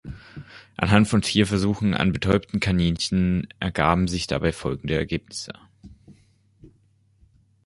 Anhand von Tierversuchen an betäubten Kaninchen ergaben sich dabei folgende Ergebnisse.